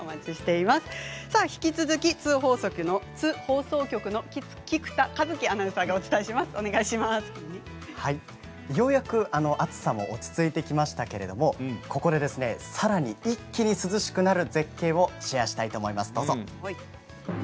引き続き津放送局の菊田一樹アナウンサーがようやく暑さも落ち着いてきましたけれどここでさらに一気に涼しくなる絶景をシェアしたいと思います。